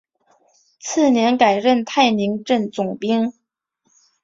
次年改任泰宁镇总兵。